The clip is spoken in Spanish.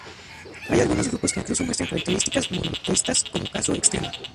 Hay algunos grupos que incluso muestran características monoteístas como caso extremo.